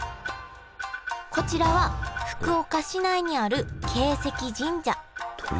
こちらは福岡市内にある鶏石神社。